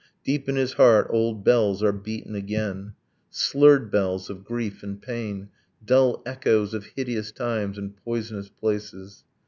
Deep in his heart old bells are beaten again, Slurred bells of grief and pain, Dull echoes of hideous times and poisonous places.